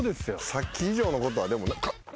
さっき以上のことはでも。